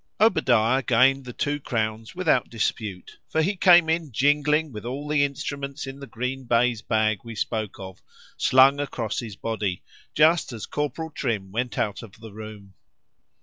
XLIII OBADIAH gained the two crowns without dispute;—for he came in jingling, with all the instruments in the green baize bag we spoke of, flung across his body, just as Corporal Trim went out of the room.